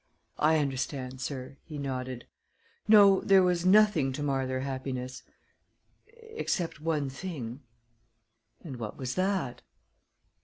"I understand, sir," he nodded. "No, there was nothing to mar their happiness except one thing." "And what was that?"